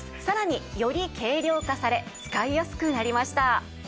さらにより軽量化され使いやすくなりました。